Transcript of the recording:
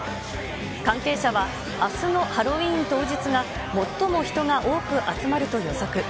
関係者はあすのハロウィーン当日が、最も人が多く集まると予測。